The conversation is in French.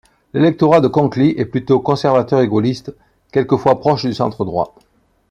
L'électorat de Conlie est plutôt conservateur et gaulliste, quelquefois proche du centre droit.